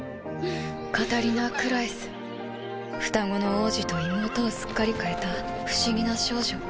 カタリナ・クラエス双子の王子と妹をすっかり変えた不思議な少女。